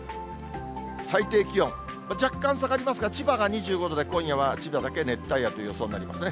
最低気温、若干下がりますが、千葉が２５度で今夜は千葉だけ熱帯夜という予想になりますね。